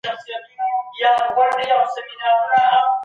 د بدن زخمونه پاک وساته